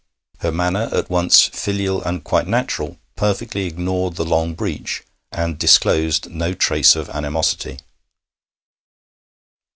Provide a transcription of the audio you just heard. Her manner, at once filial and quite natural, perfectly ignored the long breach, and disclosed no trace of animosity.